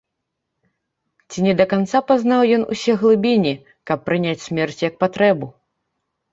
Ці не да канца пазнаў ён усе глыбіні, каб прыняць смерць як патрэбу?